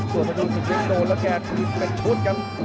ตัวประโยชน์สุดยังโดนแล้วแก่ทีมเป็นชุดครับ